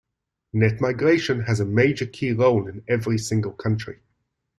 Net migration has a major key role in every single country.